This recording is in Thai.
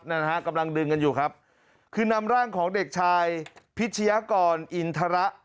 นะฮะกำลังดึงกันอยู่ครับคือนำร่างของเด็กชายพิชยากรอินทระ